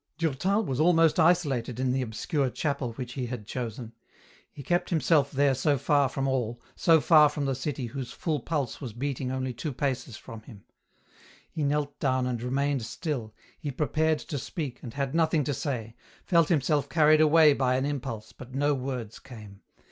Durtal was almost isolated in the obscure chapel which he had chosen ; he kept himself there so far from all, so far from the city whose full pulse was beating only two paces from him. He knelt down and remained still, he prepared to speak, and had nothing to say, felt himself carried away by an impulse, but no words came.